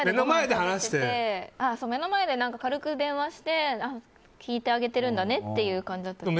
目の前で軽く電話して聞いてあげてるんだねって感じなら。